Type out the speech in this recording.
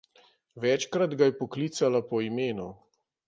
Večkrat ga je poklicala po imenu.